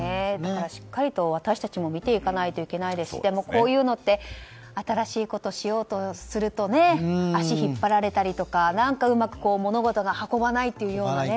だからしっかりと私たちも見ていかないといけないですしでも、こういうのって新しいことをしようとすると足を引っ張られたりうまく物事が運ばないとかね。